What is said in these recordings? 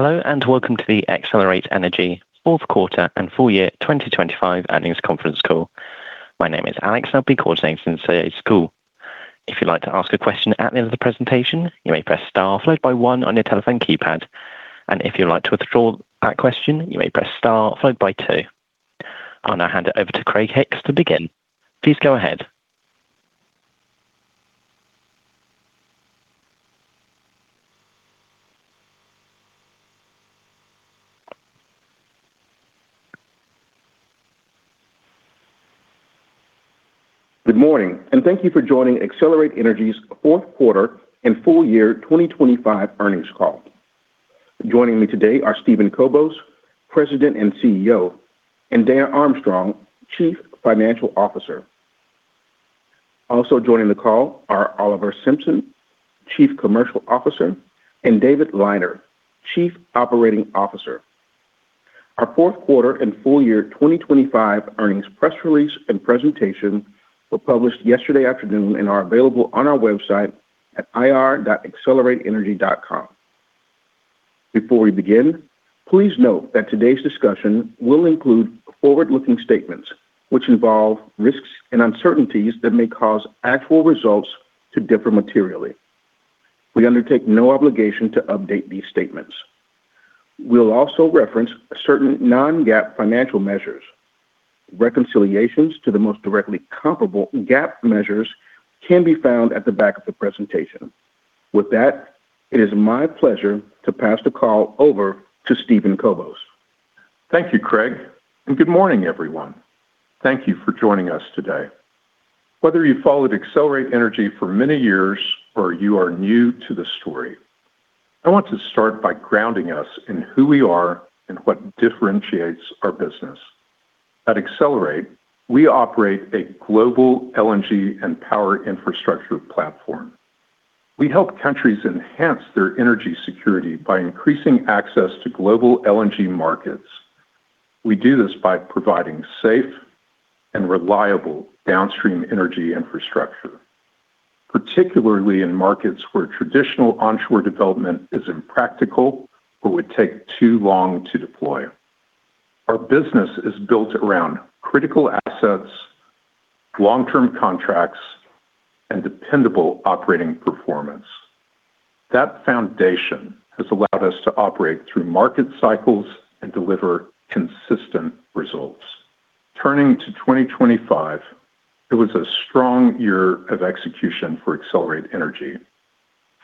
Hello, welcome to the Excelerate Energy Fourth Quarter and Full Year 2025 Earnings Conference Call. My name is Alex, and I'll be coordinating today's call. If you'd like to ask a question at the end of the presentation, you may press star followed by one on your telephone keypad. If you'd like to withdraw that question, you may press star followed by two. I'll now hand it over to Craig Hicks to begin. Please go ahead. Good morning. Thank you for joining Excelerate Energy's Fourth Quarter and Full Year 2025 Earnings Call. Joining me today are Steven Kobos, President and CEO, and Dana Armstrong, Chief Financial Officer. Also joining the call are Oliver Simpson, Chief Commercial Officer, and David Liner, Chief Operating Officer. Our fourth quarter and full year 2025 earnings press release and presentation were published yesterday afternoon and are available on our website at ir.excelerateenergy.com. Before we begin, please note that today's discussion will include forward-looking statements, which involve risks and uncertainties that may cause actual results to differ materially. We undertake no obligation to update these statements. We'll also reference certain non-GAAP financial measures. Reconciliations to the most directly comparable GAAP measures can be found at the back of the presentation. With that, it is my pleasure to pass the call over to Steven Kobos. Thank you, Craig. Good morning, everyone. Thank you for joining us today. Whether you've followed Excelerate Energy for many years or you are new to the story, I want to start by grounding us in who we are and what differentiates our business. At Excelerate, we operate a global LNG and power infrastructure platform. We help countries enhance their energy security by increasing access to global LNG markets. We do this by providing safe and reliable downstream energy infrastructure, particularly in markets where traditional onshore development is impractical or would take too long to deploy. Our business is built around critical assets, long-term contracts, and dependable operating performance. That foundation has allowed us to operate through market cycles and deliver consistent results. Turning to 2025, it was a strong year of execution for Excelerate Energy.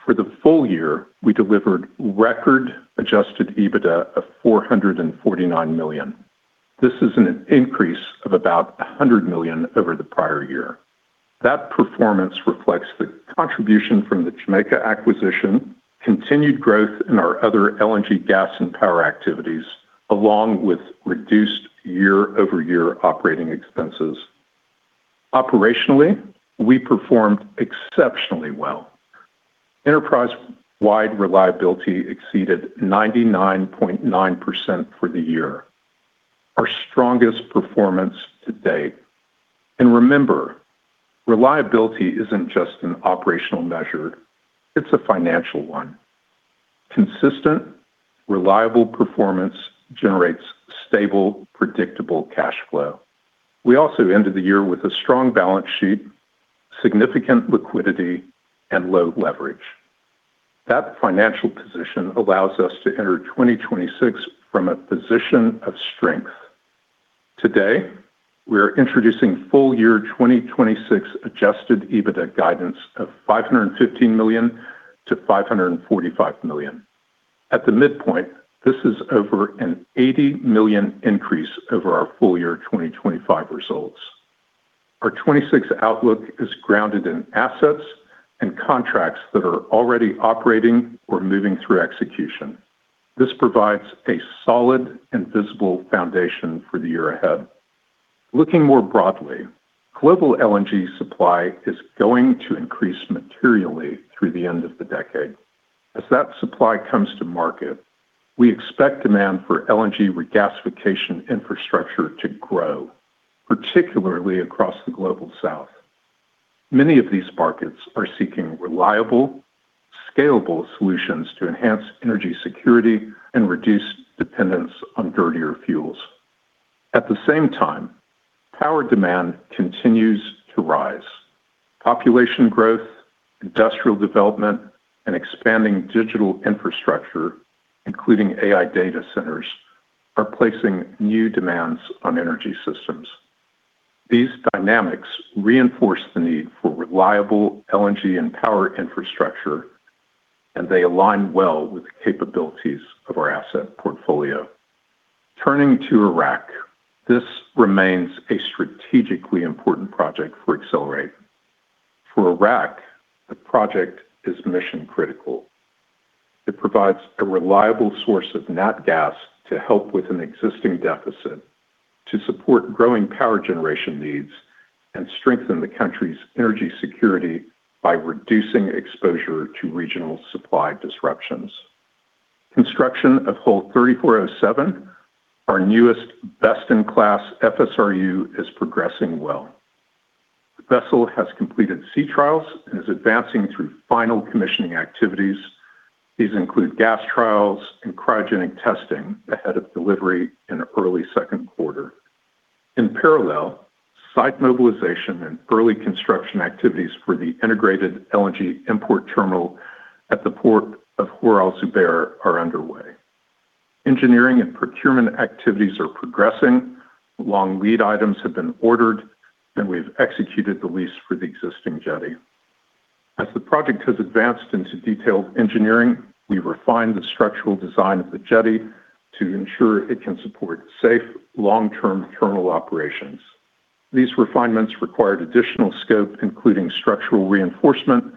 For the full year, we delivered record Adjusted EBITDA of $449 million. This is an increase of about $100 million over the prior year. That performance reflects the contribution from the Jamaica acquisition, continued growth in our other LNG gas and power activities, along with reduced year-over-year operating expenses. Operationally, we performed exceptionally well. Enterprise-wide reliability exceeded 99.9% for the year, our strongest performance to date. Remember, reliability isn't just an operational measure, it's a financial one. Consistent, reliable performance generates stable, predictable cash flow. We also ended the year with a strong balance sheet, significant liquidity, and low leverage. That financial position allows us to enter 2026 from a position of strength. Today, we are introducing full year 2026 Adjusted EBITDA guidance of $515 million-$545 million. At the midpoint, this is over an $80 million increase over our full year 2025 results. Our 2026 outlook is grounded in assets and contracts that are already operating or moving through execution. This provides a solid and visible foundation for the year ahead. Looking more broadly, global LNG supply is going to increase materially through the end of the decade. As that supply comes to market, we expect demand for LNG regasification infrastructure to grow, particularly across the Global South. Many of these markets are seeking reliable, scalable solutions to enhance energy security and reduce dependence on dirtier fuels. At the same time, power demand continues to rise. Population growth, industrial development, and expanding digital infrastructure, including AI data centers, are placing new demands on energy systems. These dynamics reinforce the need for reliable LNG and power infrastructure, and they align well with the capabilities of our asset portfolio. Turning to Iraq, this remains a strategically important project for Excelerate. For Iraq, the project is mission-critical. It provides a reliable source of Nat Gas to help with an existing deficit, to support growing power generation needs, and strengthen the country's energy security by reducing exposure to regional supply disruptions. Construction of Hull 3407, our newest best-in-class FSRU, is progressing well. The vessel has completed sea trials and is advancing through final commissioning activities. These include gas trials and cryogenic testing ahead of delivery in early second quarter. In parallel, site mobilization and early construction activities for the integrated LNG import terminal at the Port of Vlorë are underway. Engineering and procurement activities are progressing, long-lead items have been ordered, we've executed the lease for the existing jetty. As the project has advanced into detailed engineering, we refined the structural design of the jetty to ensure it can support safe, long-term terminal operations. These refinements required additional scope, including structural reinforcement,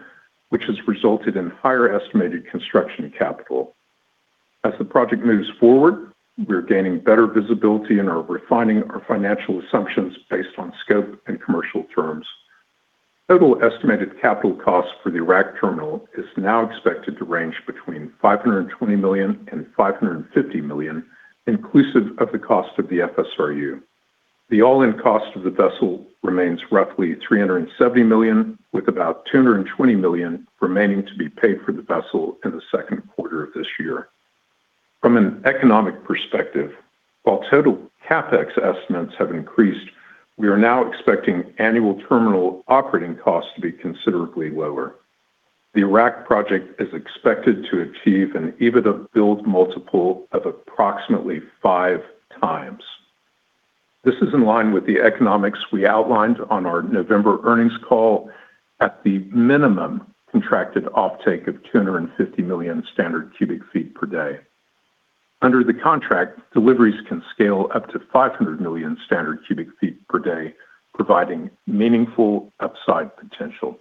which has resulted in higher estimated construction capital. As the project moves forward, we're gaining better visibility and are refining our financial assumptions based on scope and commercial terms. Total estimated capital costs for the Iraq terminal is now expected to range between $520 million and $550 million, inclusive of the cost of the FSRU. The all-in cost of the vessel remains roughly $370 million, with about $220 million remaining to be paid for the vessel in the second quarter of this year. From an economic perspective, while total CapEx estimates have increased, we are now expecting annual terminal operating costs to be considerably lower. The Iraq Project is expected to achieve an EBITDA build multiple of approximately 5 times. This is in line with the economics we outlined on our November earnings call at the minimum contracted offtake of 250 million standard cubic feet per day. Under the contract, deliveries can scale up to 500 million standard cubic feet per day, providing meaningful upside potential.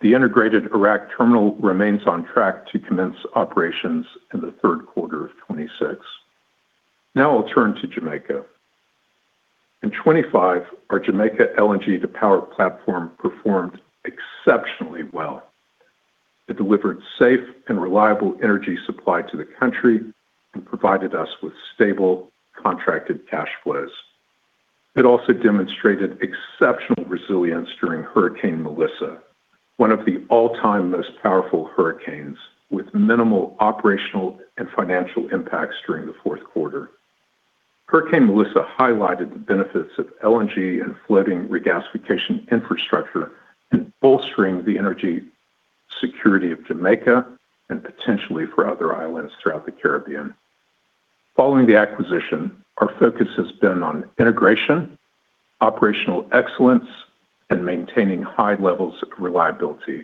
The integrated Iraq terminal remains on track to commence operations in the third quarter of 2026. Now I'll turn to Jamaica. In 2025, our Jamaica LNG to Power platform performed exceptionally well. It delivered safe and reliable energy supply to the country and provided us with stable contracted cash flows. It also demonstrated exceptional resilience during Hurricane Melissa, one of the all-time most powerful hurricanes, with minimal operational and financial impacts during the fourth quarter. Hurricane Melissa highlighted the benefits of LNG and floating regasification infrastructure in bolstering the energy security of Jamaica and potentially for other islands throughout the Caribbean. Following the acquisition, our focus has been on integration, operational excellence, and maintaining high levels of reliability.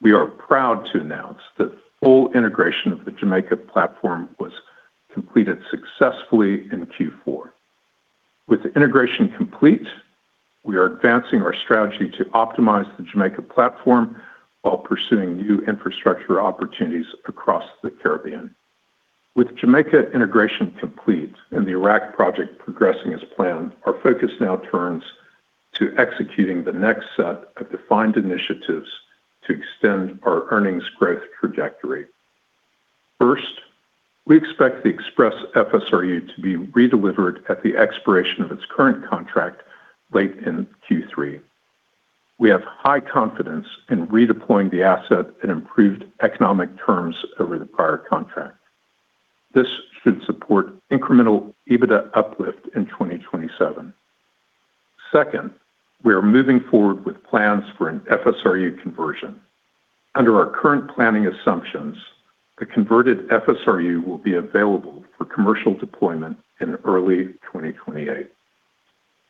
We are proud to announce that full integration of the Jamaica platform was completed successfully in Q4. With the integration complete, we are advancing our strategy to optimize the Jamaica platform while pursuing new infrastructure opportunities across the Caribbean. With Jamaica integration complete and the Iraq Project progressing as planned, our focus now turns to executing the next set of defined initiatives to extend our earnings growth trajectory. First, we expect the Express FSRU to be redelivered at the expiration of its current contract late in Q3. We have high confidence in redeploying the asset at improved economic terms over the prior contract. This should support incremental EBITDA uplift in 2027. Second, we are moving forward with plans for an FSRU conversion. Under our current planning assumptions, the converted FSRU will be available for commercial deployment in early 2028.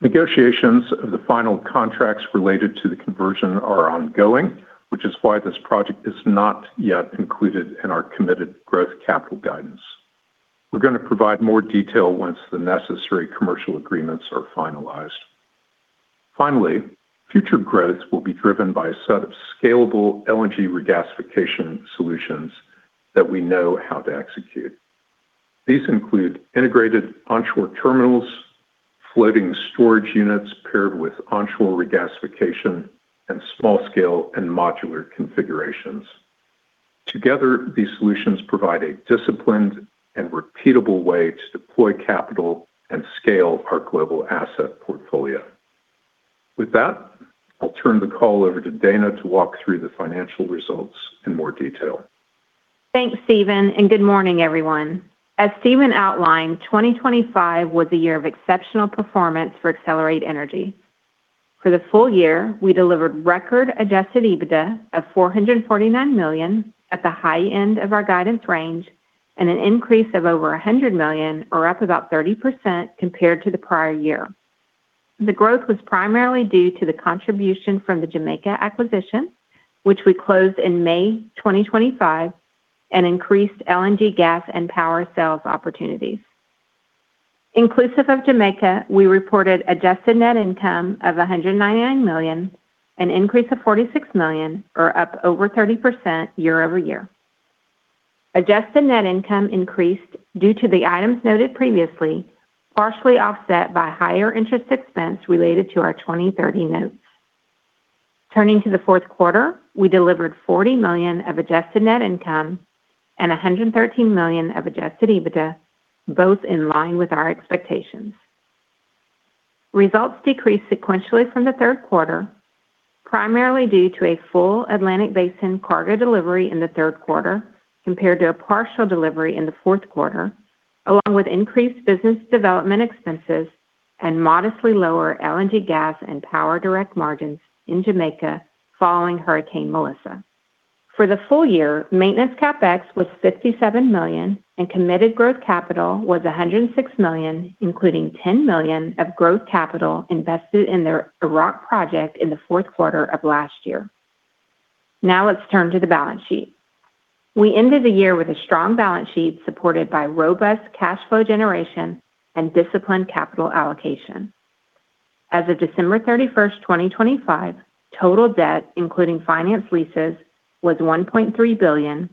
Negotiations of the final contracts related to the conversion are ongoing, which is why this project is not yet included in our committed growth capital guidance. We're going to provide more detail once the necessary commercial agreements are finalized. Finally, future growth will be driven by a set of scalable LNG regasification solutions that we know how to execute. These include integrated onshore terminals, floating storage units paired with onshore regasification, and small-scale and modular configurations. Together, these solutions provide a disciplined and repeatable way to deploy capital and scale our global asset portfolio. With that, I'll turn the call over to Dana to walk through the financial results in more detail. Thanks, Steven. Good morning, everyone. As Steven outlined, 2025 was a year of exceptional performance for Excelerate Energy. For the full year, we delivered record Adjusted EBITDA of $449 million at the high end of our guidance range and an increase of over $100 million, or up about 30% compared to the prior year. The growth was primarily due to the contribution from the Jamaica acquisition, which we closed in May 2025, and increased LNG gas and power sales opportunities. Inclusive of Jamaica, we reported Adjusted Net Income of $199 million, an increase of $46 million, or up over 30% year-over-year. Adjusted Net Income increased due to the items noted previously, partially offset by higher interest expense related to our 2030 Notes. Turning to the fourth quarter, we delivered $40 million of Adjusted Net Income and $113 million of Adjusted EBITDA, both in line with our expectations. Results decreased sequentially from the third quarter, primarily due to a full Atlantic Basin cargo delivery in the third quarter compared to a partial delivery in the fourth quarter, along with increased business development expenses and modestly lower LNG gas and power direct margins in Jamaica following Hurricane Melissa. For the full year, maintenance CapEx was $57 million, and committed growth capital was $106 million, including $10 million of growth capital invested in their Iraq Project in the fourth quarter of last year. Let's turn to the balance sheet. We ended the year with a strong balance sheet, supported by robust cash flow generation and disciplined capital allocation. As of December 31st, 2025, total debt, including finance leases, was $1.3 billion,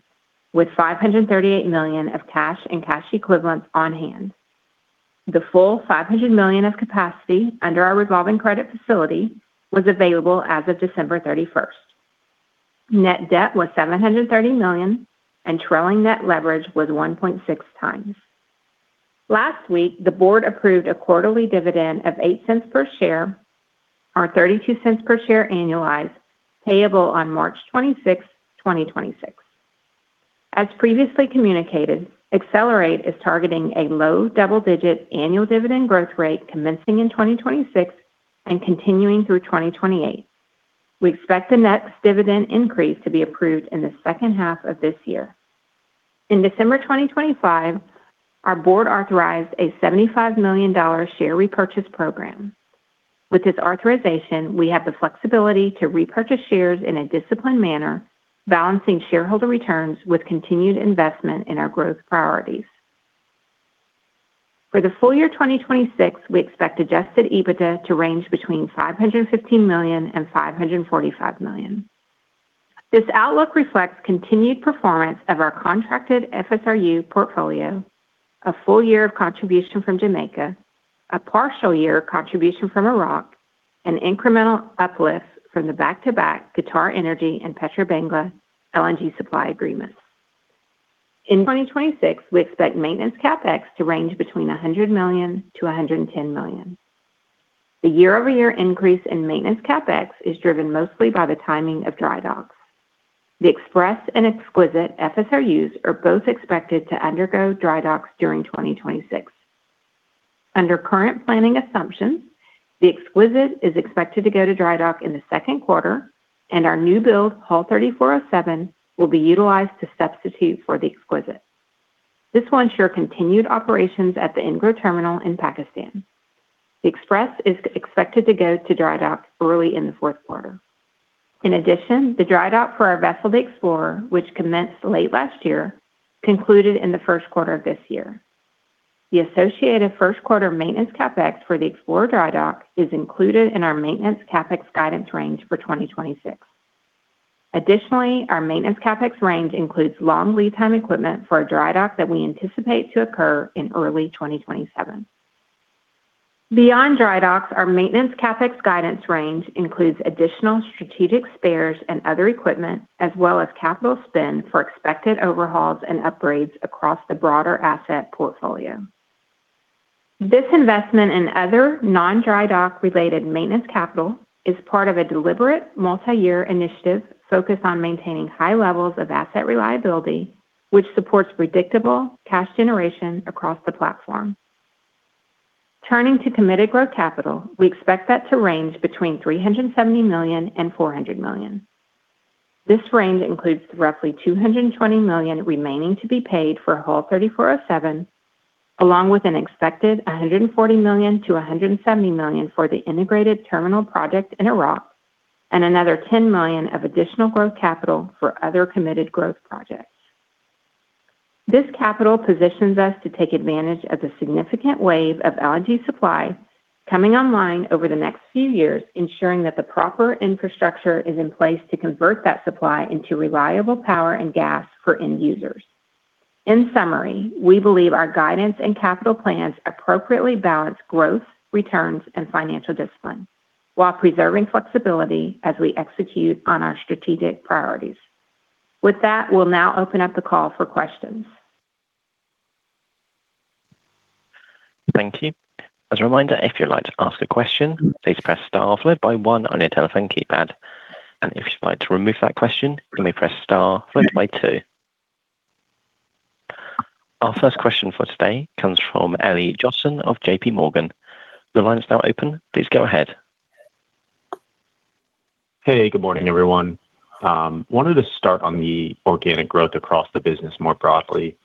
with $538 million of cash and cash equivalents on hand. The full $500 million of capacity under our revolving credit facility was available as of December 31st. Net debt was $730 million, and trailing net leverage was 1.6 times. Last week, the board approved a quarterly dividend of $0.08 per share, or $0.32 per share annualized, payable on March 26th, 2026. As previously communicated, Excelerate is targeting a low double-digit annual dividend growth rate commencing in 2026 and continuing through 2028. We expect the next dividend increase to be approved in the second half of this year. In December 2025, our board authorized a $75 million share repurchase program. With this authorization, we have the flexibility to repurchase shares in a disciplined manner, balancing shareholder returns with continued investment in our growth priorities. For the full year 2026, we expect Adjusted EBITDA to range between $515 million and $545 million. This outlook reflects continued performance of our contracted FSRU portfolio, a full year of contribution from Jamaica, a partial year contribution from Iraq, and incremental uplift from the back-to-back QatarEnergy and Petrobangla LNG supply agreements. In 2026, we expect maintenance CapEx to range between $100 million to $110 million. The year-over-year increase in maintenance CapEx is driven mostly by the timing of dry docks. The Express and Exquisite FSRUs are both expected to undergo dry docks during 2026. Under current planning assumptions, the Exquisite is expected to go to dry dock in the second quarter, and our new build, Hull 3407, will be utilized to substitute for the Exquisite. This will ensure continued operations at the Engro terminal in Pakistan. The Express is expected to go to dry dock early in the fourth quarter. In addition, the dry dock for our vessel, the Explorer, which commenced late last year, concluded in the first quarter of this year. The associated first quarter maintenance CapEx for the Explorer dry dock is included in our maintenance CapEx guidance range for 2026. Additionally, our maintenance CapEx range includes long lead time equipment for a dry dock that we anticipate to occur in early 2027. Beyond dry docks, our maintenance CapEx guidance range includes additional strategic spares and other equipment, as well as capital spend for expected overhauls and upgrades across the broader asset portfolio. This investment and other non-dry dock-related maintenance capital is part of a deliberate multi-year initiative focused on maintaining high levels of asset reliability, which supports predictable cash generation across the platform. Turning to committed growth capital, we expect that to range between $370 million and $400 million. This range includes the roughly $220 million remaining to be paid for Hull 3407, along with an expected $140 million-$170 million for the integrated terminal project in Iraq , and another $10 million of additional growth capital for other committed growth projects. This capital positions us to take advantage of the significant wave of LNG supply coming online over the next few years, ensuring that the proper infrastructure is in place to convert that supply into reliable power and gas for end users. In summary, we believe our guidance and capital plans appropriately balance growth, returns, and financial discipline while preserving flexibility as we execute on our strategic priorities. With that, we'll now open up the call for questions. Thank you. As a reminder, if you'd like to ask a question, please press star followed by 1 on your telephone keypad, and if you'd like to remove that question, simply press star followed by 2. Our first question for today comes from Elliot Johnson of JP Morgan. The line is now open. Please go ahead. Hey, good morning, everyone. Wanted to start on the organic growth across the business more broadly.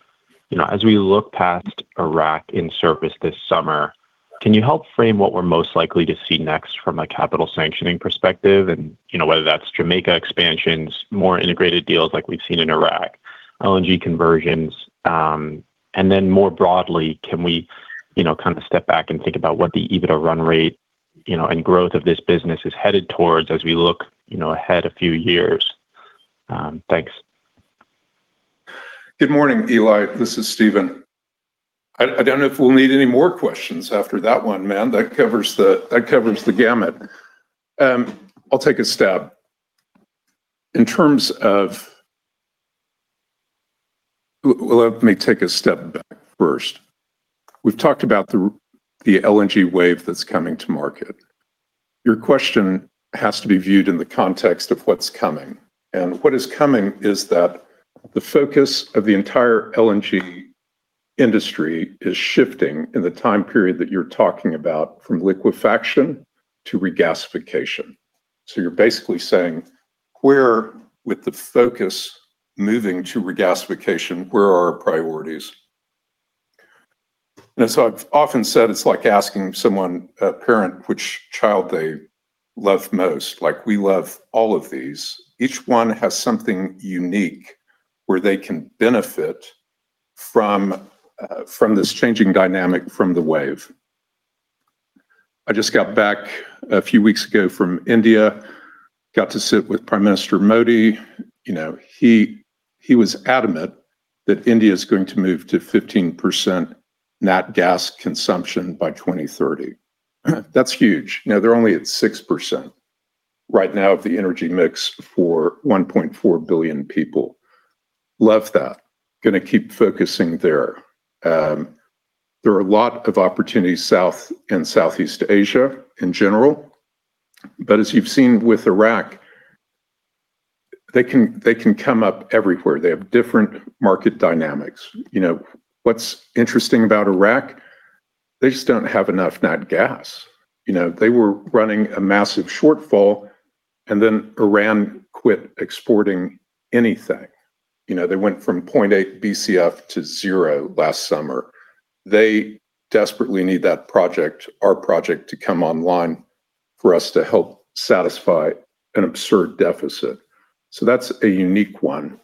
You know, as we look past Iraq in service this summer, can you help frame what we're most likely to see next from a capital sanctioning perspective? You know, whether that's Jamaica expansions, more integrated deals like we've seen in Iraq, LNG conversions. More broadly, can we, you know, kind of step back and think about what the EBITDA run rate, you know, and growth of this business is headed towards as we look, you know, ahead a few years? Thanks. Good morning, Eli. This is Steven. I don't know if we'll need any more questions after that one, man. That covers the gamut. I'll take a stab. In terms of, well, let me take a step back first. We've talked about the LNG wave that's coming to market. Your question has to be viewed in the context of what's coming. What is coming is that the focus of the entire LNG industry is shifting in the time period that you're talking about, from liquefaction to regasification. You're basically saying, where, with the focus moving to regasification, where are our priorities? I've often said it's like asking someone, a parent, which child they love most, like we love all of these. Each one has something unique where they can benefit from this changing dynamic, from the wave. I just got back a few weeks ago from India, got to sit with Prime Minister Modi. You know, he was adamant that India is going to move to 15% natural gas consumption by 2030. That's huge. Now, they're only at 6% right now of the energy mix for 1.4 billion people. Love that. Gonna keep focusing there. There are a lot of opportunities South and Southeast Asia in general, but as you've seen with Iraq, they can come up everywhere. They have different market dynamics. You know, what's interesting about Iraq, they just don't have enough natural gas. You know, they were running a massive shortfall, and then Iran quit exporting anything. You know, they went from 0.8 BCF to 0 last summer. They desperately need that project, our project, to come online for us to help satisfy an absurd deficit. That is a unique one.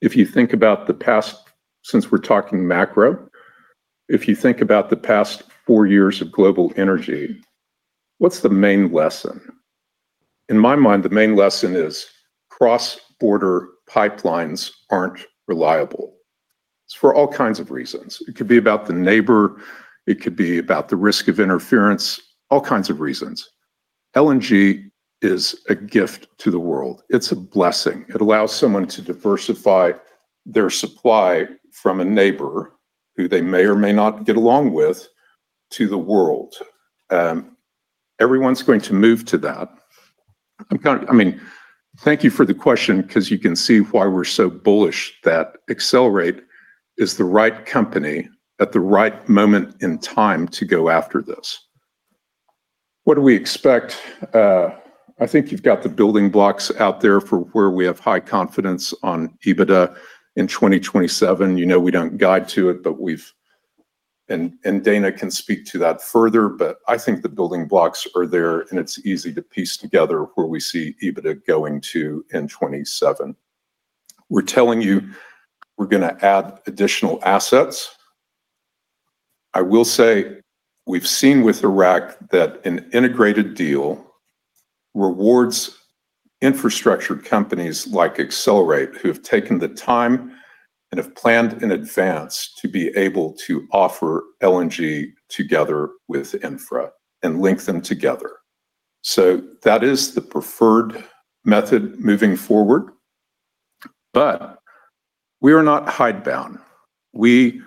If you think about the past... since we're talking macro, if you think about the past four years of global energy, what is the main lesson? In my mind, the main lesson is cross-border pipelines are not reliable. It is for all kinds of reasons. It could be about the neighbor, it could be about the risk of interference, all kinds of reasons. LNG is a gift to the world. It is a blessing. It allows someone to diversify their supply from a neighbor, who they may or may not get along with, to the world. Everyone is going to move to that. I mean, thank you for the question, 'cause you can see why we're so bullish that Excelerate is the right company at the right moment in time to go after this. What do we expect? I think you've got the building blocks out there for where we have high confidence on EBITDA in 2027. You know, we don't guide to it, but we've and Dana can speak to that further, but I think the building blocks are there, and it's easy to piece together where we see EBITDA going to in 27. We're telling you we're gonna add additional assets. I will say, we've seen with Iraq that an integrated deal rewards infrastructure companies like Excelerate, who have taken the time and have planned in advance to be able to offer LNG together with infra and link them together. That is the preferred method moving forward, but we are not hidebound. We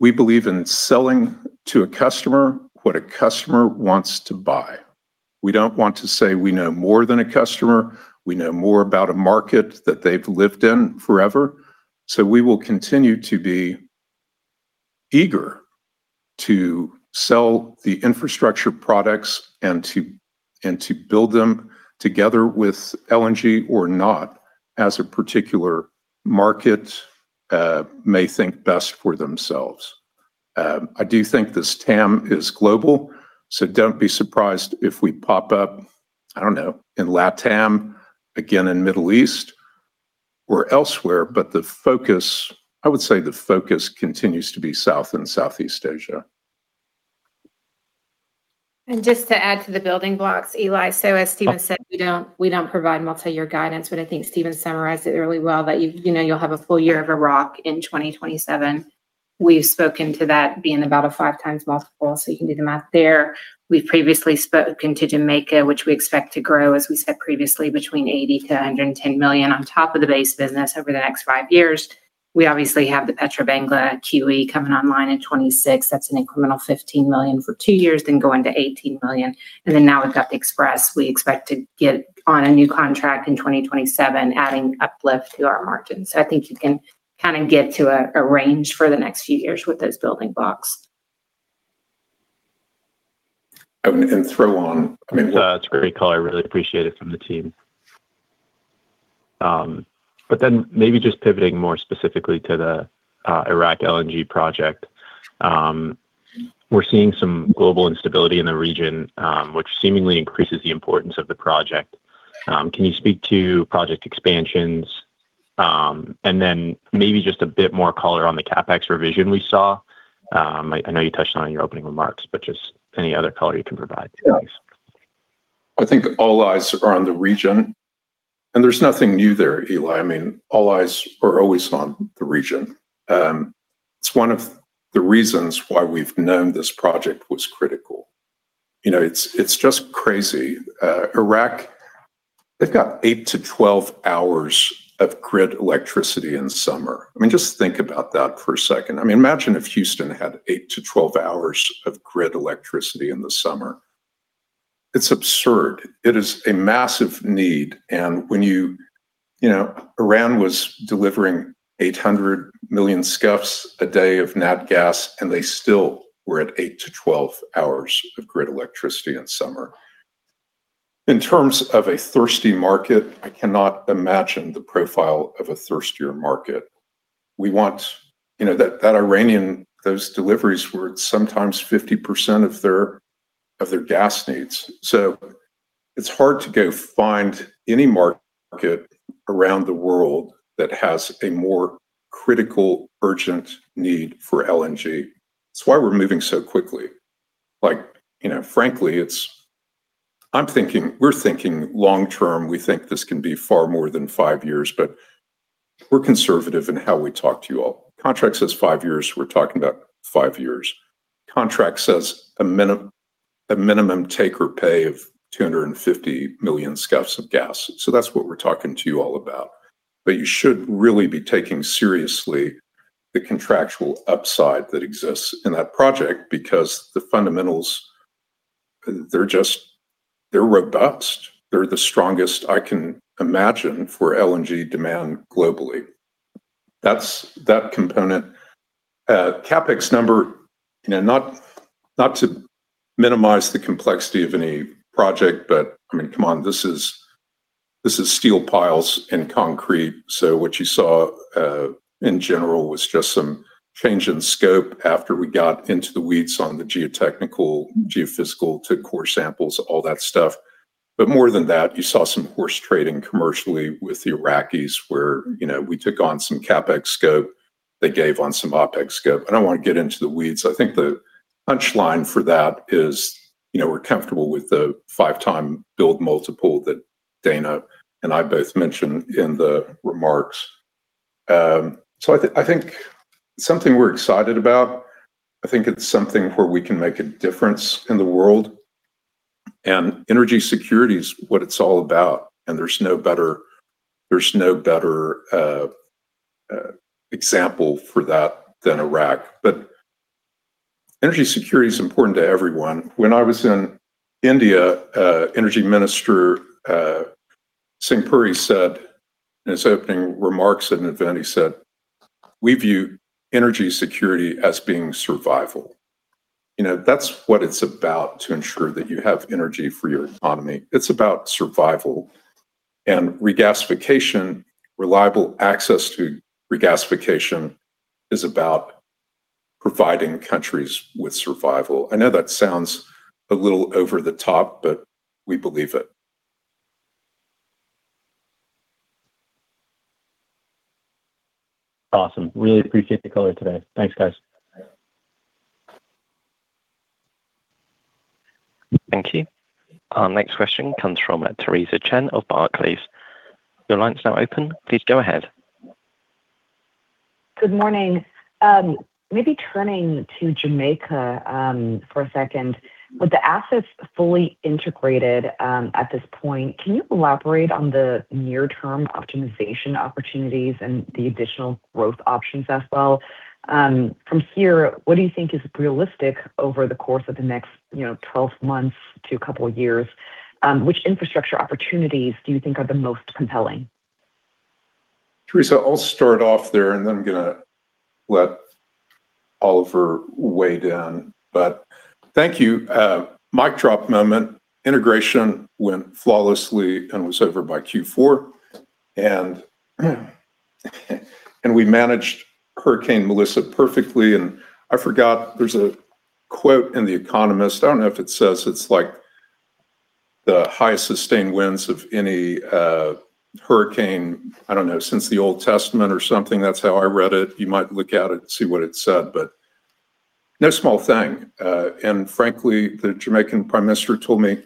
believe in selling to a customer what a customer wants to buy. We don't want to say we know more than a customer, we know more about a market that they've lived in forever. We will continue to be eager to sell the infrastructure products and to build them together with LNG or not, as a particular market may think best for themselves. I do think this TAM is global, so don't be surprised if we pop up, I don't know, in Latam, again in Middle East or elsewhere, but I would say the focus continues to be South and Southeast Asia. Just to add to the building blocks, Eli, as Steven said, we don't provide multi-year guidance. I think Steven summarized it really well, that you know, you'll have a full year of Iraq in 2027. We've spoken to that being about a 5x multiple, so you can do the math there. We've previously spoken to Jamaica, which we expect to grow, as we said previously, between $80 million-$110 million on top of the base business over the next five years. We obviously have the Petrobangla QE coming online in 2026. That's an incremental $15 million for two years, then going to $18 million. Now we've got the Express. We expect to get on a new contract in 2027, adding uplift to our margins. I think you can kind of get to a range for the next few years with those building blocks. throw on, That's a great call. I really appreciate it from the team. Maybe just pivoting more specifically to the Iraq LNG project. We're seeing some global instability in the region, which seemingly increases the importance of the project. Can you speak to project expansions? Maybe just a bit more color on the CapEx revision we saw. I know you touched on it in your opening remarks, but just any other color you can provide to us. I think all eyes are on the region, there's nothing new there, Eli. I mean, all eyes are always on the region. It's one of the reasons why we've known this project was critical. You know, it's just crazy. Iraq, they've got 8-12 hours of grid electricity in summer. I mean, just think about that for a second. I mean, imagine if Houston had 8-12 hours of grid electricity in the summer. It's absurd. It is a massive need. You know, Iran was delivering 800 million scf a day of Nat Gas, and they still were at 8-12 hours of grid electricity in summer. In terms of a thirsty market, I cannot imagine the profile of a thirstier market. We want, you know, that Iranian, those deliveries were sometimes 50% of their, of their gas needs. It's hard to go find any market around the world that has a more critical, urgent need for LNG. It's why we're moving so quickly. Like, you know, frankly, we're thinking long term. We think this can be far more than five years, we're conservative in how we talk to you all. Contract says five years, we're talking about five years. Contract says a minimum take or pay of 250 million scf of gas. That's what we're talking to you all about. You should really be taking seriously the contractual upside that exists in that project, because the fundamentals, they're robust. They're the strongest I can imagine for LNG demand globally. That's that component. CapEx number, not to minimize the complexity of any project, but, come on, this is, this is steel piles and concrete. What you saw, in general was just some change in scope after we got into the weeds on the geotechnical, geophysical, took core samples, all that stuff. More than that, you saw some horse trading commercially with the Iraq is, where, we took on some CapEx scope, they gave on some OpEx scope. I don't want to get into the weeds. I think the punchline for that is, we're comfortable with the five-time build multiple that Dana and I both mentioned in the remarks. I think something we're excited about, I think it's something where we can make a difference in the world, and energy security is what it's all about, and there's no better example for that than Iraq. Energy security is important to everyone. When I was in India, Energy Minister Singh Puri said in his opening remarks at an event, he said, We view energy security as being survival. You know, that's what it's about to ensure that you have energy for your economy. It's about survival. Regasification, reliable access to regasification, is about providing countries with survival. I know that sounds a little over the top, but we believe it. Awesome. Really appreciate the color today. Thanks, guys. Thank you. Our next question comes from Theresa Chen of Barclays. Your line is now open. Please go ahead. Good morning. Maybe turning to Jamaica for a second. With the assets fully integrated at this point, can you elaborate on the near-term optimization opportunities and the additional growth options as well? From here, what do you think is realistic over the course of the next, you know, 12 months to a couple of years? Which infrastructure opportunities do you think are the most compelling? Theresa, I'll start off there, then I'm going to let Oliver weigh in. Thank you. Mic drop moment, integration went flawlessly and was over by Q4. We managed Hurricane Melissa perfectly, and I forgot there's a quote in The Economist. I don't know if it says it's like the highest sustained winds of any hurricane, I don't know, since the Old Testament or something. That's how I read it. You might look at it and see what it said, but no small thing. Frankly, the Jamaican Prime Minister told me,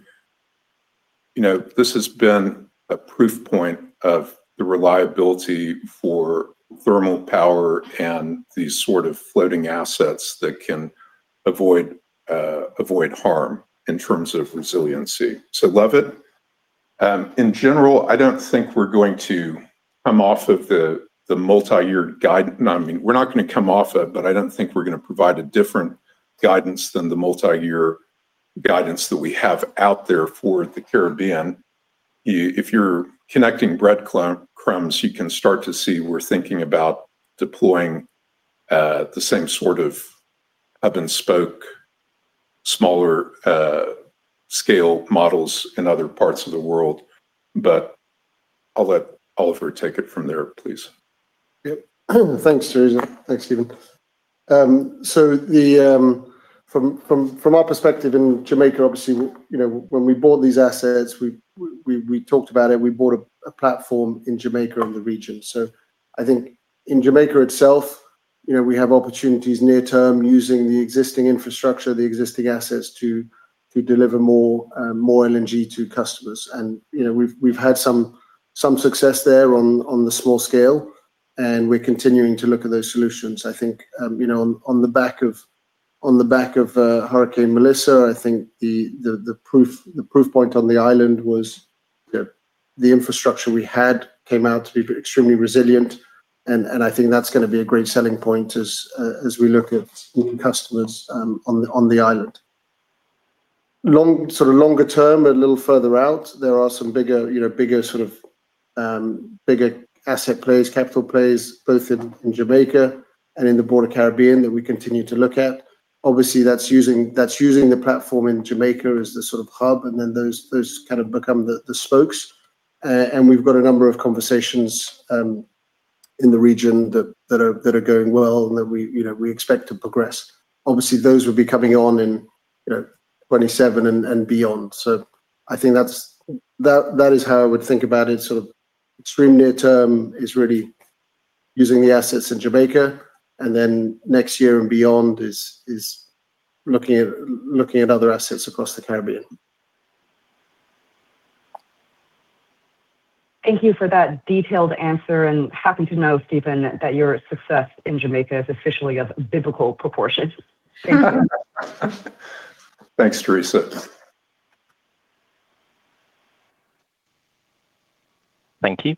you know, this has been a proof point of the reliability for thermal power and these sort of floating assets that can avoid harm in terms of resiliency. Love it. In general, I don't think we're going to come off of the multi-year guide. No, I mean, we're not going to come off it, but I don't think we're going to provide a different guidance than the multi-year guidance that we have out there for the Caribbean. If you're connecting breadcrumbs, you can start to see we're thinking about deploying the same sort of hub-and-spoke, smaller scale models in other parts of the world. I'll let Oliver take it from there, please. Yep. Thanks, Theresa. Thanks, Steven. From our perspective in Jamaica, obviously, you know, when we bought these assets, we talked about it, we bought a platform in Jamaica and the region. I think in Jamaica itself, you know, we have opportunities near term using the existing infrastructure, the existing assets, to deliver more LNG to customers. You know, we've had some success there on the small scale, and we're continuing to look at those solutions. I think, you know, on the back of Hurricane Melissa, I think the proof point on the island was the infrastructure we had came out to be extremely resilient, and I think that's gonna be a great selling point as we look at new customers on the island. Longer term, a little further out, there are some bigger, you know, asset plays, capital plays, both in Jamaica and in the broader Caribbean that we continue to look at. Obviously, that's using the platform in Jamaica as the sort of hub, and then those kind of become the spokes. We've got a number of conversations in the region that are going well, and that we, you know, expect to progress. Obviously, those will be coming on in, you know, 27 and beyond. I think that is how I would think about it. Sort of extreme near term is really using the assets in Jamaica, and then next year and beyond is looking at other assets across the Caribbean. Thank you for that detailed answer, and happy to know, Steven, that your success in Jamaica is officially of biblical proportion. Thanks, Theresa. Thank you.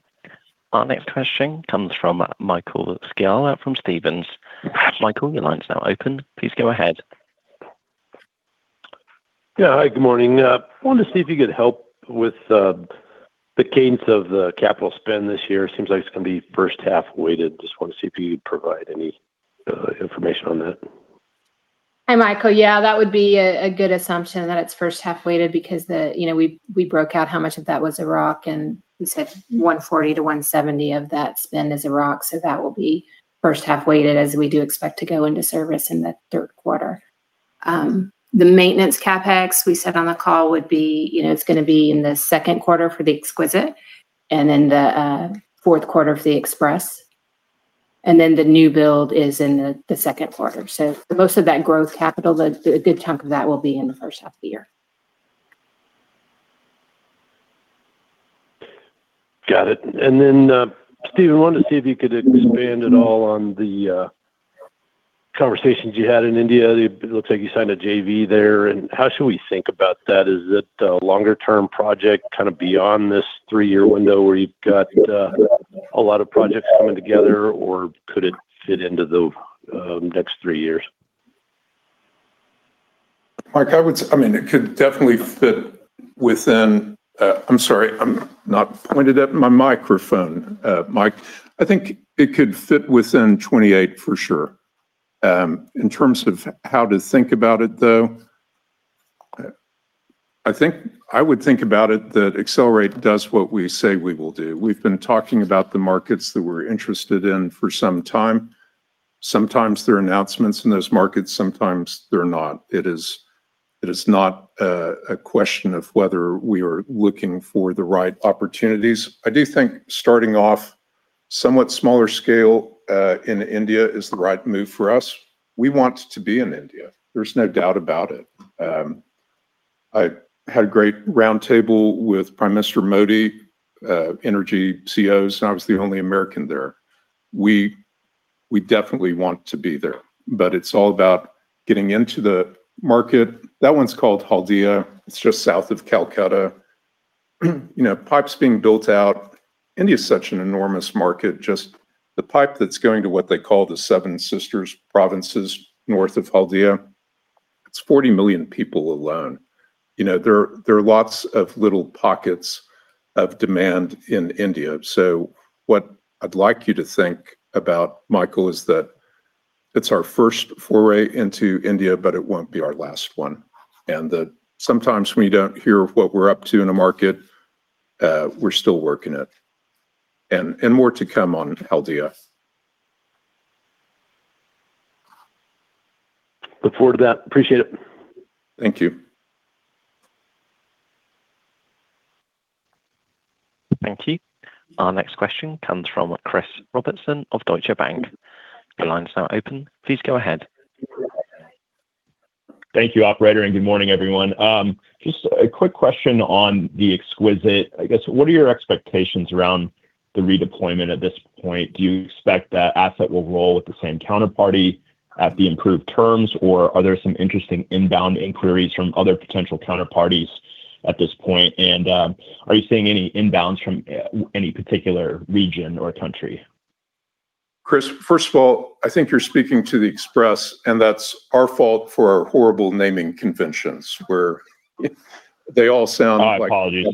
Our next question comes from Michael Scialla from Stephens. Michael, your line is now open. Please go ahead. Hi, good morning. Wanted to see if you could help with the cadence of the capital spend this year? Seems like it's gonna be first half weighted. Just wanted to see if you'd provide any information on that? Hi, Michael. Yeah, that would be a good assumption that it's first half weighted because. You know, we broke out how much of that was Iraq, and we said $140-$170 of that spend is Iraq. That will be first half weighted, as we do expect to go into service in the third quarter. The maintenance CapEx, we said on the call would be, you know, it's gonna be in the second quarter for the Exquisite and then the fourth quarter for the Express, and then the new build is in the second quarter. Most of that growth capital, a good chunk of that will be in the first half of the year. Got it. Steven, wanted to see if you could expand at all on the conversations you had in India. It looks like you signed a JV there, and how should we think about that? Is it a longer-term project, kind of beyond this three-year window, where you've got a lot of projects coming together, or could it fit into the next three years? Mark, I mean, it could definitely fit within. I'm sorry, I'm not pointed at my microphone, Mike. I think it could fit within 28 for sure. In terms of how to think about it, though, I think I would think about it that Excelerate does what we say we will do. We've been talking about the markets that we're interested in for some time. Sometimes there are announcements in those markets, sometimes there are not. It is not a question of whether we are looking for the right opportunities. I do think starting off somewhat smaller scale in India is the right move for us. We want to be in India. There's no doubt about it. I had a great roundtable with Prime Minister Modi, energy CEOs, and I was the only American there. We definitely want to be there, but it's all about getting into the market. That one's called Haldia. It's just south of Kolkata. You know, pipe's being built out. India is such an enormous market. Just the pipe that's going to what they call the Seven Sisters provinces, north of Haldia, it's 40 million people alone. You know, there are lots of little pockets of demand in India. What I'd like you to think about, Michael, is that it's our first foray into India, but it won't be our last one, and that sometimes when you don't hear what we're up to in a market, we're still working it. More to come on Haldia. Look forward to that. Appreciate it. Thank you. Thank you. Our next question comes from Chris Robertson of Deutsche Bank. Your line is now open. Please go ahead. Thank you, operator, and good morning, everyone. Just a quick question on the Exquisite. I guess, what are your expectations around the redeployment at this point? Do you expect that asset will roll with the same counterparty at the improved terms, or are there some interesting inbound inquiries from other potential counterparties at this point? Are you seeing any inbounds from any particular region or country? Chris, first of all, I think you're speaking to the Express, and that's our fault for our horrible naming conventions, where they all sound like... My apologies.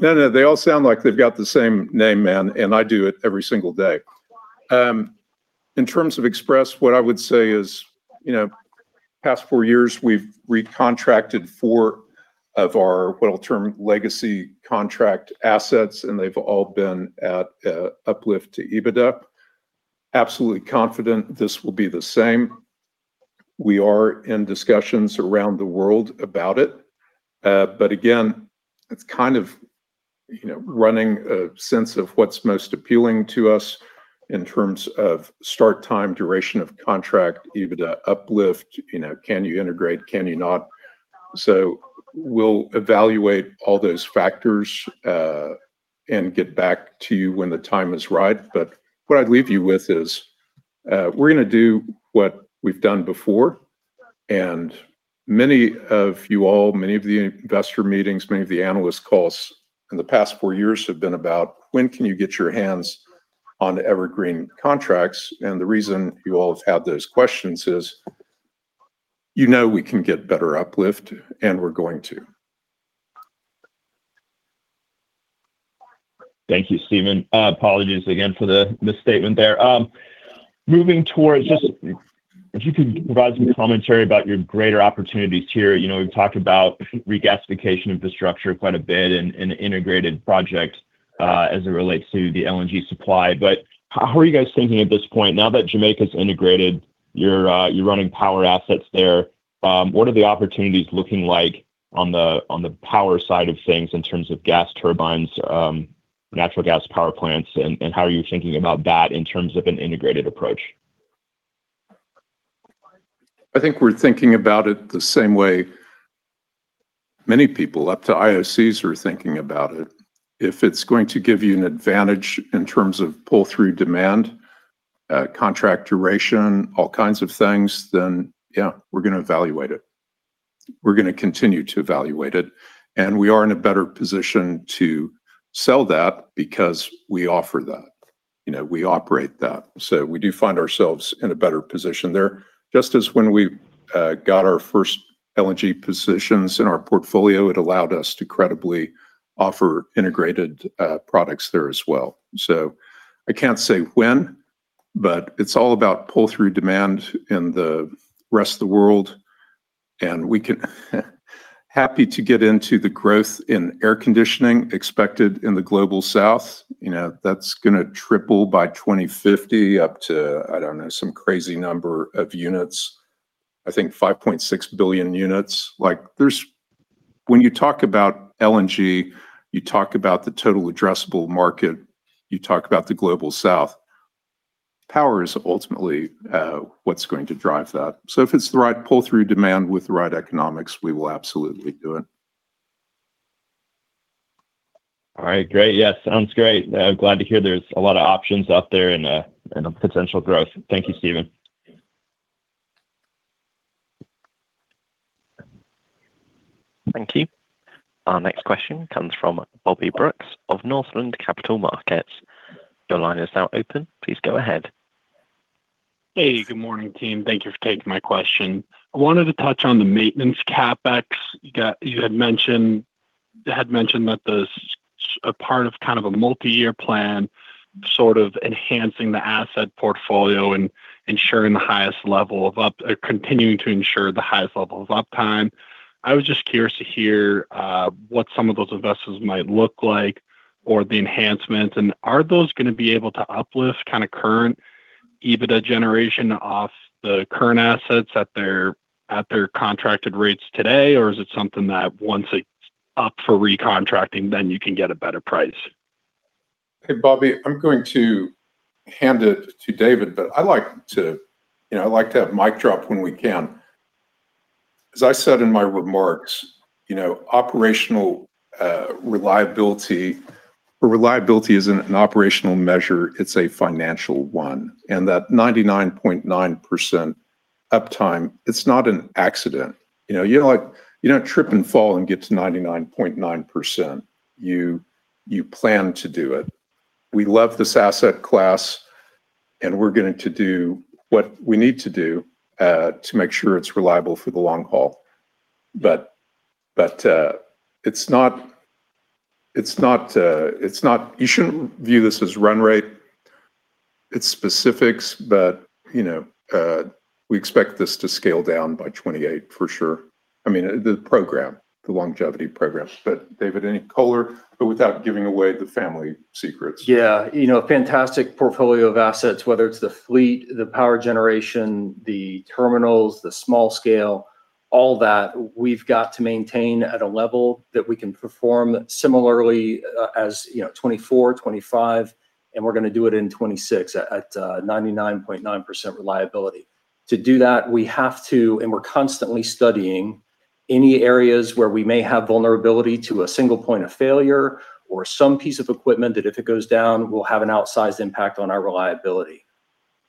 No, no. They all sound like they've got the same name, man. I do it every single day. In terms of Express, what I would say is, you know, past four years, we've recontracted four of our, what I'll term, legacy contract assets. They've all been at uplift to EBITDA. Absolutely confident this will be the same. We are in discussions around the world about it. Again, it's kind of, you know, running a sense of what's most appealing to us in terms of start time, duration of contract, EBITDA uplift, you know, can you integrate? Can you not? We'll evaluate all those factors and get back to you when the time is right. What I'd leave you with is, we're gonna do what we've done before, many of you all, many of the investor meetings, many of the analyst calls in the past four years have been about when can you get your hands on evergreen contracts? The reason you all have had those questions is, you know we can get better uplift, and we're going to. Thank you, Steven. Apologies again for the misstatement there. Yeah just if you could provide some commentary about your greater opportunities here. You know, we've talked about regasification infrastructure quite a bit and integrated project as it relates to the LNG supply. How are you guys thinking at this point, now that Jamaica's integrated, you're running power assets there, what are the opportunities looking like on the power side of things in terms of gas turbines, natural gas power plants, and how are you thinking about that in terms of an integrated approach? I think we're thinking about it the same way many people up to IOCs are thinking about it. If it's going to give you an advantage in terms of pull-through demand, contract duration, all kinds of things, then yeah, we're gonna evaluate it. We're gonna continue to evaluate it, and we are in a better position to sell that because we offer that. You know, we operate that. We do find ourselves in a better position there. Just as when we got our first LNG positions in our portfolio, it allowed us to credibly offer integrated products there as well. I can't say when, but it's all about pull-through demand in the rest of the world, and we can, happy to get into the growth in air conditioning expected in the Global South. You know, that's gonna triple by 2050, up to, I don't know, some crazy number of units, I think 5.6 billion units. Like, there's when you talk about LNG, you talk about the total addressable market, you talk about the Global South. Power is ultimately what's going to drive that. If it's the right pull-through demand with the right economics, we will absolutely do it. All right. Great. Yeah, sounds great. Glad to hear there's a lot of options out there and potential growth. Thank you, Steven. Thank you. Our next question comes from Bobby Brooks of Northland Capital Markets. Your line is now open. Please go ahead. Hey, good morning, team. Thank you for taking my question. I wanted to touch on the maintenance CapEx. You had mentioned that this, part of kind of a multi-year plan, sort of enhancing the asset portfolio and continuing to ensure the highest level of uptime. I was just curious to hear what some of those investments might look like or the enhancements, and are those gonna be able to uplift kind of current EBITDA generation off the current assets at their contracted rates today? Is it something that once it's up for recontracting, then you can get a better price? Hey, Bobby, I'm going to hand it to David, I like to, you know, I like to have mic drop when we can. As I said in my remarks, you know, operational reliability or reliability isn't an operational measure, it's a financial one, and that 99.9% uptime, it's not an accident. You know, you don't trip and fall and get to 99.9%. You plan to do it. We love this asset class, and we're going to do what we need to do to make sure it's reliable for the long haul. It's not, it's not, you shouldn't view this as run rate. It's specifics, but, you know, we expect this to scale down by 2028 for sure. I mean, the program, the longevity program. David, any color, but without giving away the family secrets. Yeah. You know, fantastic portfolio of assets, whether it's the fleet, the power generation, the terminals, the small scale, all that, we've got to maintain at a level that we can perform similarly, as, you know, 2024, 2025, and we're gonna do it in 2026 at 99.9% reliability. To do that, we have to, and we're constantly studying any areas where we may have vulnerability to a single point of failure or some piece of equipment that, if it goes down, will have an outsized impact on our reliability.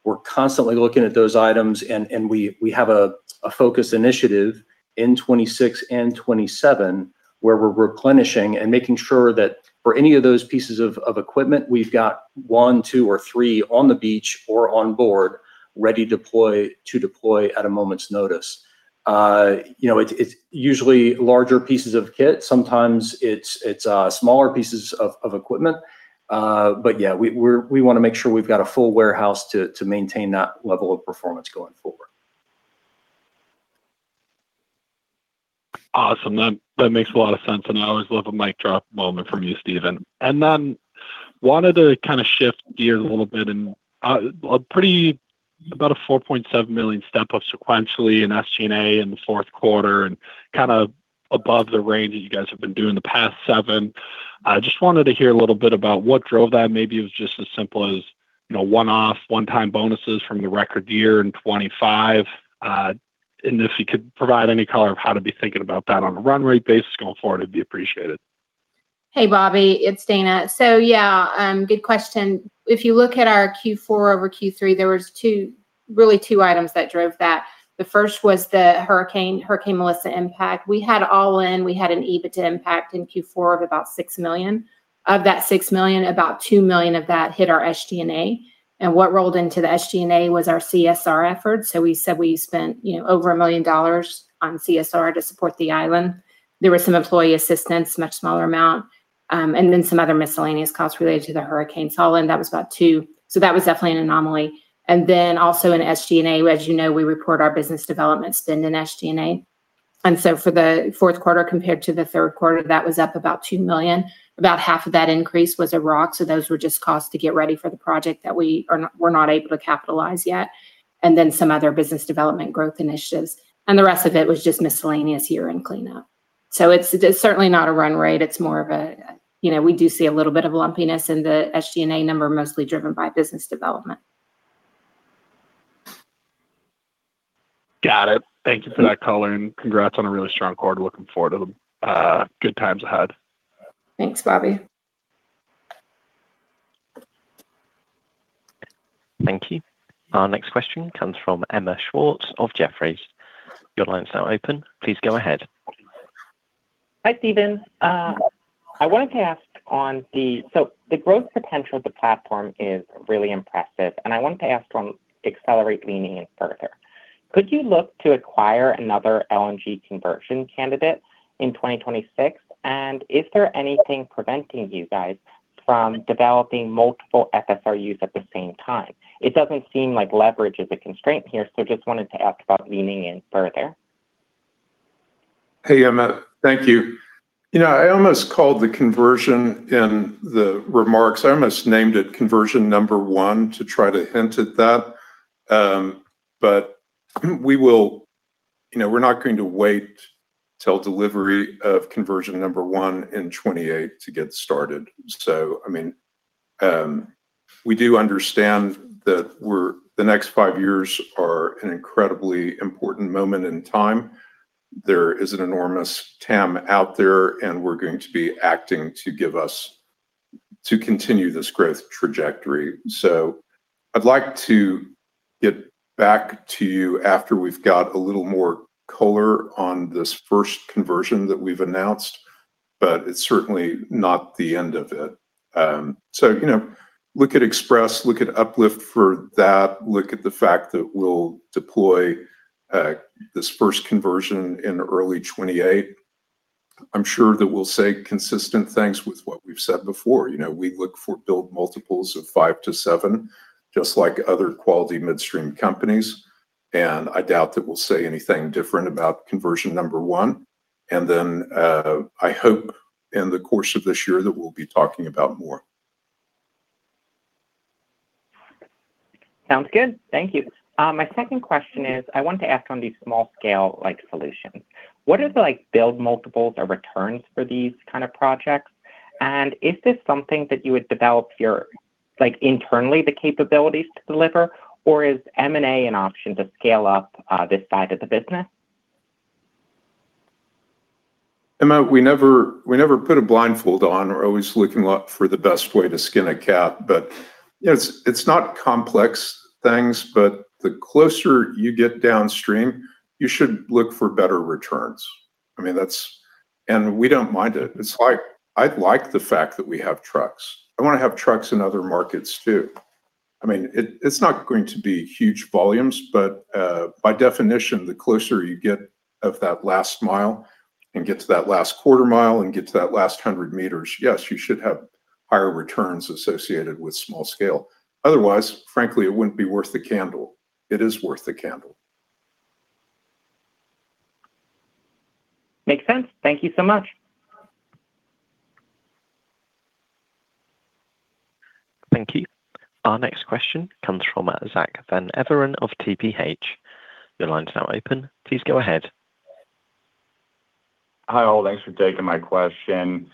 We're constantly looking at those items, and we have a focused initiative in 2026 and 2027, where we're replenishing and making sure that for any of those pieces of equipment, we've got one, two, or three on the beach or on board to deploy at a moment's notice. You know, it's usually larger pieces of kit. Sometimes it's smaller pieces of equipment. Yeah, we wanna make sure we've got a full warehouse to maintain that level of performance going forward. Awesome! That makes a lot of sense. I always love a mic drop moment from you, Steven. Wanted to kind of shift gears a little bit, a pretty about a $4.7 million step up sequentially in SG&A in the fourth quarter, and kind of above the range that you guys have been doing the past seven. I just wanted to hear a little bit about what drove that. Maybe it was just as simple as, you know, one-off, one-time bonuses from your record year in 2025. If you could provide any color of how to be thinking about that on a run rate basis going forward, it'd be appreciated. Hey, Bobby, it's Dana. Yeah, good question. If you look at our Q4 over Q3, there was two, really two items that drove that. The first was the hurricane, Hurricane Melissa impact. We had an EBITDA impact in Q4 of about $6 million. Of that $6 million, about $2 million of that hit our SG&A, and what rolled into the SG&A was our CSR effort. We said we spent, you know, over $1 million on CSR to support the island. There was some employee assistance, much smaller amount, and then some other miscellaneous costs related to the Hurricane Melissa y, and that was about $2 million. That was definitely an anomaly. Also in SG&A, as you know, we report our business development spend in SG&A. For the fourth quarter compared to the third quarter, that was up about $2 million. About half of that increase was Iraq, so those were just costs to get ready for the project that we're not able to capitalize yet, and then some other business development growth initiatives. The rest of it was just miscellaneous year-end cleanup. It's, it's certainly not a run rate, it's more of a, you know, we do see a little bit of lumpiness in the SG&A number, mostly driven by business development. Got it. Thank you for that color. Congrats on a really strong quarter. Looking forward to the good times ahead. Thanks, Bobby. Thank you. Our next question comes from Emma Schwartz of Jefferies. Your line is now open. Please go ahead. Hi, Steven. The growth potential of the platform is really impressive. I wanted to ask on Excelerate leaning in further. Could you look to acquire another LNG conversion candidate in 2026? Is there anything preventing you guys from developing multiple FSRUs at the same time? It doesn't seem like leverage is a constraint here. Just wanted to ask about leaning in further. Hey, Emma. Thank you. You know, I almost called the conversion in the remarks. I almost named it conversion number one to try to hint at that. You know, we're not going to wait till delivery of conversion number one in 2028 to get started. I mean, we do understand that the next five years are an incredibly important moment in time. There is an enormous TAM out there. We're going to be acting to continue this growth trajectory. I'd like to get back to you after we've got a little more color on this first conversion that we've announced. It's certainly not the end of it. You know, look at Express, look at Uplift for that. Look at the fact that we'll deploy this first conversion in early 2028. I'm sure that we'll say consistent things with what we've said before. You know, we look for build multiples of 5-7, just like other quality midstream companies, and I doubt that we'll say anything different about conversion number 1. I hope in the course of this year that we'll be talking about more. Sounds good. Thank you. My second question is, I wanted to ask on these small scale solutions. What are the build multiples or returns for these kind of projects? Is this something that you would develop your internally, the capabilities to deliver, or is M&A an option to scale up, this side of the business? Emma, we never put a blindfold on. We're always looking for the best way to skin a cat. You know, it's not complex things, but the closer you get downstream, you should look for better returns. I mean, that's. We don't mind it. It's like, I like the fact that we have trucks. I wanna have trucks in other markets too. I mean, it's not going to be huge volumes, but by definition, the closer you get of that last mile and get to that last quarter mile and get to that last 100 meters, yes, you should have higher returns associated with small scale. Otherwise, frankly, it wouldn't be worth the candle. It is worth the candle. Makes sense. Thank you so much. Thank you. Our next question comes from Zach Van Everan of TPH. Your line is now open. Please go ahead. Hi, all. Thanks for taking my question.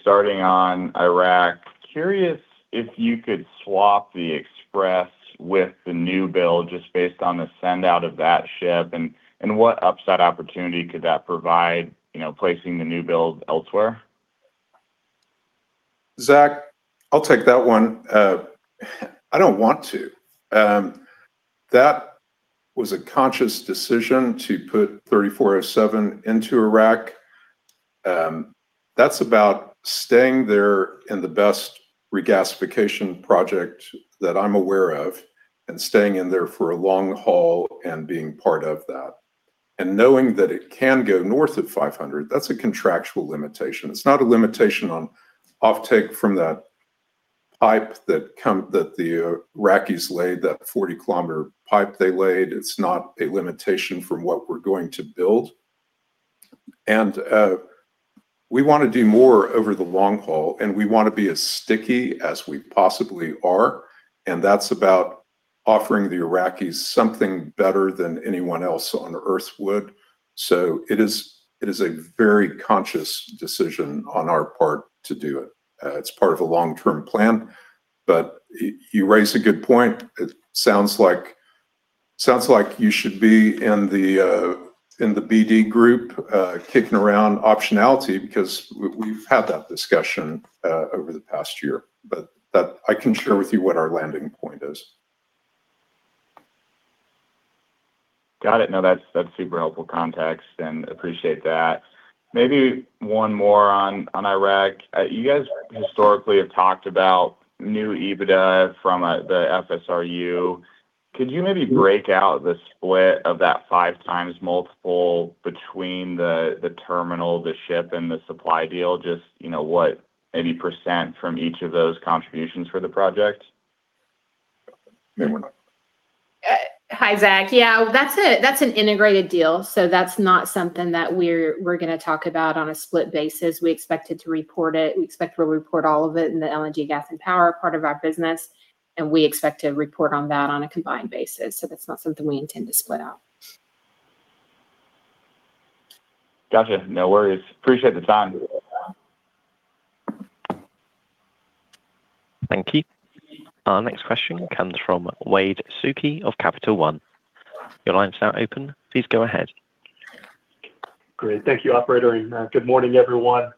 Starting on Iraq. Curious if you could swap the Express with the new build, just based on the send-out of that ship, and what upside opportunity could that provide, you know, placing the new build elsewhere? Zack, I'll take that one. I don't want to. That was a conscious decision to put Hull 3407 into Iraq. That's about staying there in the best regasification project that I'm aware of and staying in there for a long haul and being part of that. Knowing that it can go north of 500, that's a contractual limitation. It's not a limitation on offtake from that pipe that come, that the Iraq is laid, that 40-kilometer pipe they laid, it's not a limitation from what we're going to build. We wanna do more over the long haul, and we wanna be as sticky as we possibly are, and that's about offering the Iraq is something better than anyone else on Earth would. It is a very conscious decision on our part to do it. It's part of a long-term plan, but you raise a good point. It sounds like you should be in the BD group, kicking around optionality, because we've had that discussion over the past year. I can share with you what our landing point is. Got it. No, that's super helpful context. Appreciate that. Maybe one more on Iraq. You guys historically have talked about new EBITDA from the FSRU. Could you maybe break out the split of that 5x multiple between the terminal, the ship, and the supply deal, just, you know, what, maybe percent from each of those contributions for the project? Yeah. Hi, Zach. That's an integrated deal. That's not something that we're gonna talk about on a split basis. We expect it to report it. We expect we'll report all of it in the LNG gas and power part of our business, and we expect to report on that on a combined basis. That's not something we intend to split out. Gotcha. No worries. Appreciate the time. Thank you. Our next question comes from Wade Suki of Capital One. Your line is now open, please go ahead. Great. Thank you, operator, and good morning, everyone.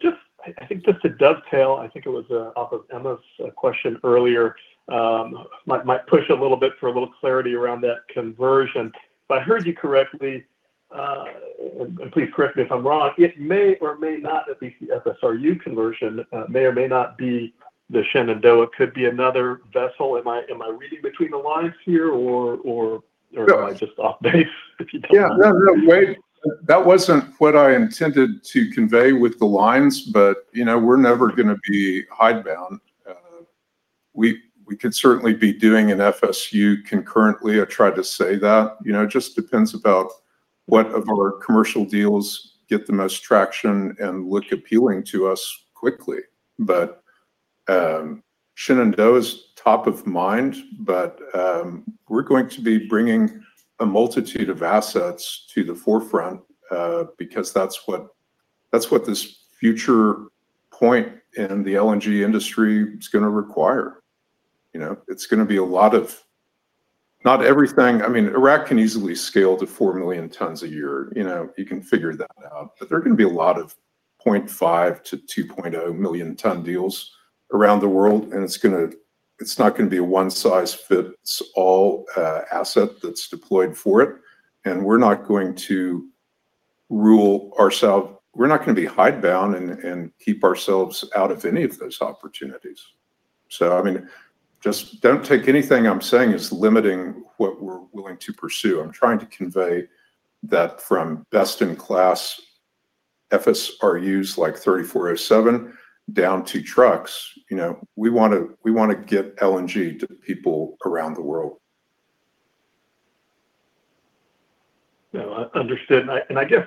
Just, I think just to dovetail, I think it was off of Emma's question earlier, might push a little bit for a little clarity around that conversion. If I heard you correctly, and please correct me if I'm wrong, it may or may not be the FSRU conversion, may or may not be the Shenandoah, could be another vessel. Am I reading between the lines here or? No or am I just off base, if you tell me? Yeah. No, no, Wade, that wasn't what I intended to convey with the lines, but, you know, we're never gonna be hidebound. We could certainly be doing an FSU concurrently. I tried to say that. You know, it just depends about what of our commercial deals get the most traction and look appealing to us quickly. Shenandoah is top of mind, but we're going to be bringing a multitude of assets to the forefront because that's what this future point in the LNG industry is gonna require. You know, it's gonna be a lot of. Not everything, I mean, Iraq can easily scale to 4 million tons a year. You know, you can figure that out, but there are gonna be a lot of 0.5-2 million ton deals around the world, and it's not gonna be a one-size-fits-all asset that's deployed for it, and we're not going to rule ourselves. We're not gonna be hidebound and keep ourselves out of any of those opportunities. I mean, just don't take anything I'm saying as limiting what we're willing to pursue. I'm trying to convey that from best-in-class FSRUs, like 3407, down to trucks, you know, we want to, we want to get LNG to people around the world. Yeah. Understood. I guess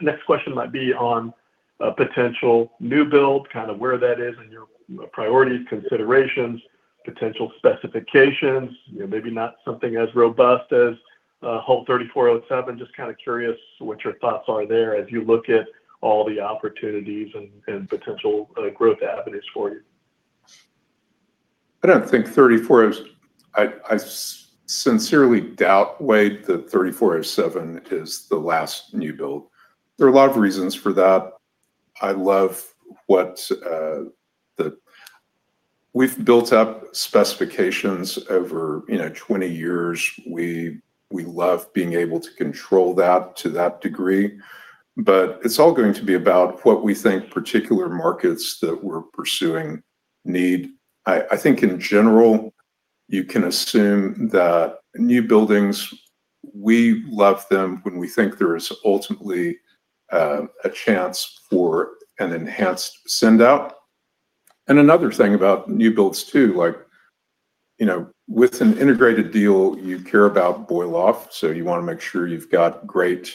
next question might be on a potential new build, kind of where that is in your priorities, considerations, potential specifications, you know, maybe not something as robust as Hull 3407. Just kind of curious what your thoughts are there as you look at all the opportunities and potential growth avenues for you. I don't think 34 is. I sincerely doubt, Wade, that 3407 is the last new build. There are a lot of reasons for that. I love what. We've built up specifications over, you know, 20 years. We love being able to control that to that degree, it's all going to be about what we think particular markets that we're pursuing need. I think in general, you can assume that new buildings, we love them when we think there is ultimately a chance for an enhanced send-out. Another thing about new builds too, like, you know, with an integrated deal, you care about boil off, so you wanna make sure you've got great,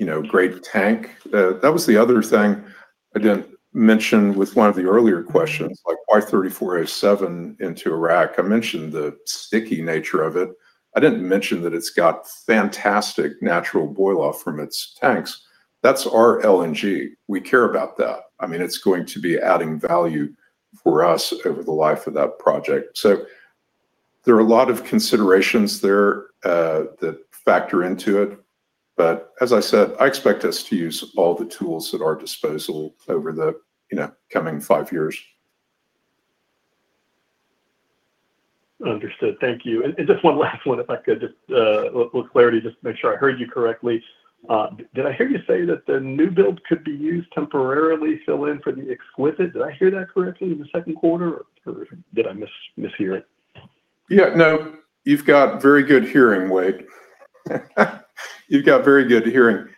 you know, great tank. That was the other thing I didn't mention with one of the earlier questions, like why 3407 into Iraq. I mentioned the sticky nature of it. I didn't mention that it's got fantastic natural boil-off from its tanks. That's our LNG. We care about that. I mean, it's going to be adding value for us over the life of that project. There are a lot of considerations there that factor into it. As I said, I expect us to use all the tools at our disposal over the, you know, coming five years. Understood. Thank you. Just one last one, if I could, just little clarity, just to make sure I heard you correctly. Did I hear you say that the new build could be used temporarily to fill in for the Exquisite? Did I hear that correctly in the second quarter, or did I mishear it? No, you've got very good hearing, Wade. You've got very good hearing.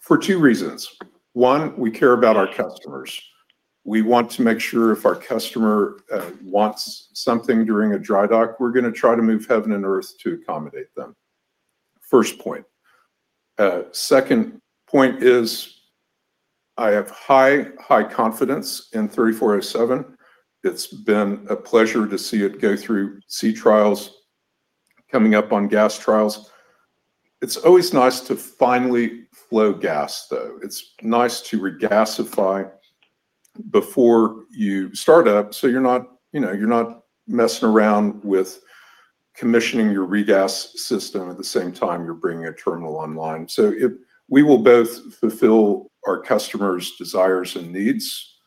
For two reasons: one, we care about our customers. We want to make sure if our customer wants something during a dry dock, we're gonna try to move heaven and earth to accommodate them. First point. Second point is, I have high confidence in 3407. It's been a pleasure to see it go through sea trials, coming up on gas trials. It's always nice to finally flow gas, though. It's nice to regasify before you start up, so you're not, you know, you're not messing around with commissioning your regasify system at the same time you're bringing a terminal online. We will both fulfill our customer's desires and needs,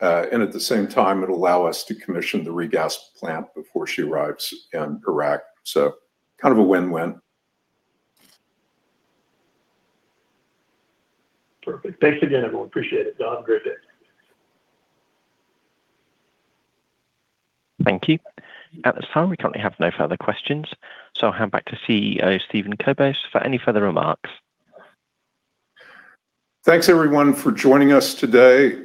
and at the same time, it'll allow us to commission the regasify plant before she arrives in Iraq. Kind of a win-win. Perfect. Thanks again, everyone. Appreciate it, Don. Great day. Thank you. At this time, we currently have no further questions, so I'll hand back to CEO, Steven Kobos, for any further remarks. Thanks, everyone, for joining us today.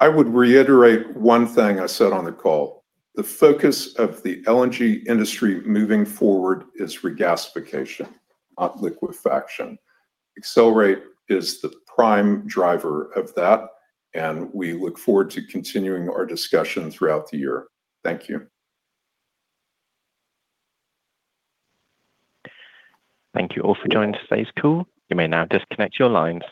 I would reiterate one thing I said on the call: the focus of the LNG industry moving forward is regasification, not liquefaction. Excelerate is the prime driver of that, we look forward to continuing our discussion throughout the year. Thank you. Thank you all for joining today's call. You may now disconnect your lines.